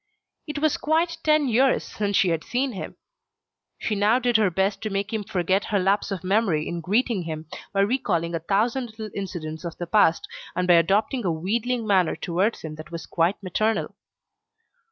It was quite ten years since she had seen him. She now did her best to make him forget her lapse of memory in greeting him, by recalling a thousand little incidents of the past, and by adopting a wheedling manner towards him that was quite maternal.